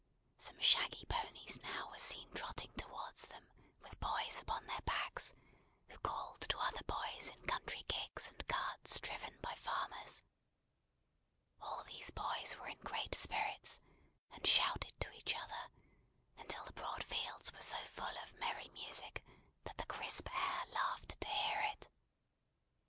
Some shaggy ponies now were seen trotting towards them with boys upon their backs, who called to other boys in country gigs and carts, driven by farmers. All these boys were in great spirits, and shouted to each other, until the broad fields were so full of merry music, that the crisp air laughed to hear it!